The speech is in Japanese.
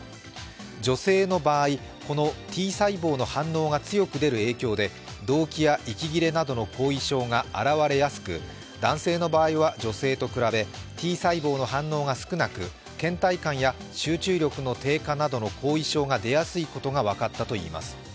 女性の場合、このＴ細胞の反応が強く出る影響でどうきや息切れなどの後遺症が現れやすく男性の場合は女性と比べＴ細胞の反応が少なく、けん怠感や集中力の低下などの後遺症が出やすいことが分かったといいます。